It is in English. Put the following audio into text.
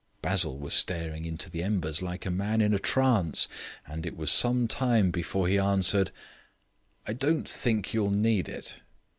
Basil was staring into the embers like a man in a trance; and it was some time before he answered: "I don't think you'll need it."